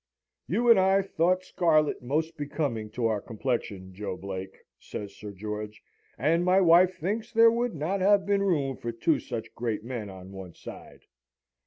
"You and I thought scarlet most becoming to our complexion, Joe Blake!" says Sir George. "And my wife thinks there would not have been room for two such great men on one side."